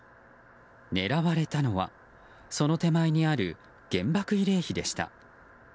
狙われたのはその手前にある原爆慰霊碑でした。